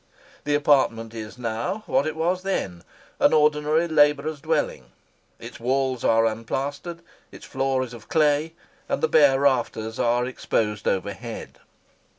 The apartment is now, what it was then, an ordinary labourer's dwelling,—its walls are unplastered, its floor is of clay, and the bare rafters are exposed overhead.